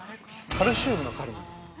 ◆カルシウムのカルなんです。